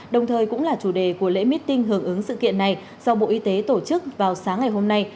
đồng thời cũng là chủ đề của lễ meeting hưởng ứng sự kiện này do bộ y tế tổ chức vào sáng ngày hôm nay